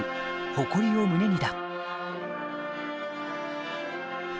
「誇りを胸に」